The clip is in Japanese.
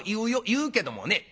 言うけどもね